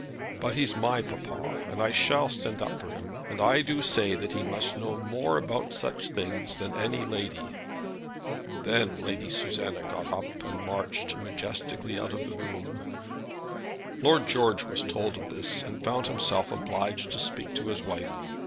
"But he's my papa, and I shall stand up for him, and I do say that he must know more about such things than any lady." Then Lady Susanna got up and marched majestically out of the room. Lord George was told of this, and found himself obliged to speak to his wife.